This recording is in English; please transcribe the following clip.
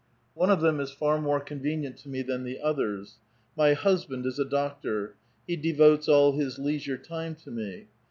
One of them is far more con venient to me than the others. My husband is a doctor. He devotes all. his leisure time to me.